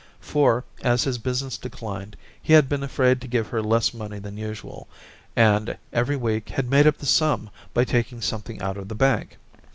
For, as his business declined, he had been afraid to give her less money than usual, and every week had made up the sum by taking something out of the bank.